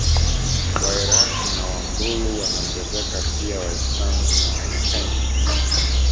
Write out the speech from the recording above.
Wairaqw na Wambulu wanaongezeka pia Waisanzu na Waisenye